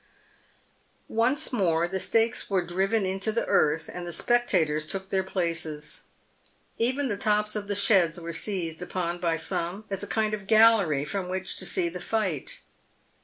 Once more the stakes were driven into the earth, and the spectators took their places. Even the tops of the sheds were seized upon by some as a kind of gallery from which to see the fight.